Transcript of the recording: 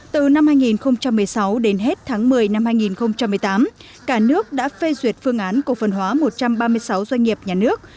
từ năm hai nghìn một mươi sáu đến hết tháng một mươi năm hai nghìn một mươi tám cả nước đã phê duyệt phương án cộng phần hóa một trăm ba mươi sáu doanh nghiệp nhà nước